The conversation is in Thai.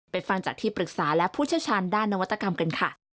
ฟังจากที่ปรึกษาและผู้เชี่ยวชาญด้านนวัตกรรมกันค่ะ